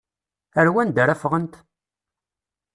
Ar wanda ara ffɣent?